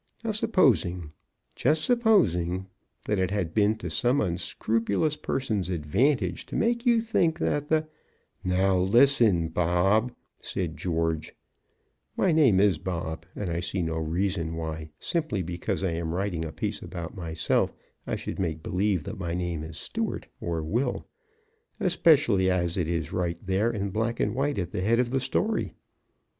Now supposing just supposing that it had been to some unscrupulous person's advantage to make you think that the " "Now, listen, Bob," said George (my name is Bob, and I see no reason why, simply because I am writing a piece about myself, I should make believe that my name is Stuart or Will, especially as it is right there in black and white at the head of the story.